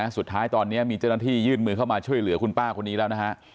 สุดท้ายตอนนี้มีเจ้าหน้าที่ยื่นมือเข้ามาช่วยเหลือคุณป้าคนนี้แล้วนะฮะ